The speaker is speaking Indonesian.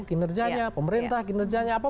kinerjanya pemerintah kinerjanya apa